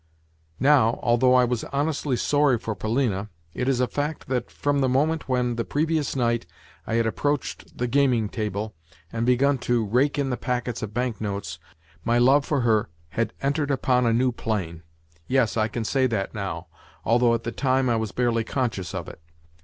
Now, although I was honestly sorry for Polina, it is a fact that, from the moment when, the previous night, I had approached the gaming table, and begun to rake in the packets of bank notes, my love for her had entered upon a new plane. Yes, I can say that now; although, at the time, I was barely conscious of it.